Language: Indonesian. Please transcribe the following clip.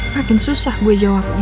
makin susah gue jawabnya